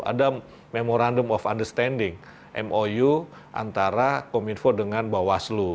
ada memorandum of understanding mou antara kominfo dengan bawaslu